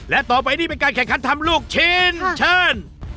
และต่อไปนี่เป็นการแข่งขันทำลูกชิ้นเชิญ